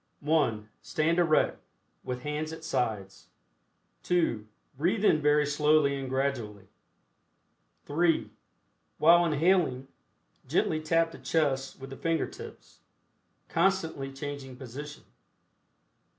(1) Stand erect, with hands at sides. (2) Breathe in very slowly and gradually. (3) While inhaling, gently tap the chest with the finger tips, constantly changing position.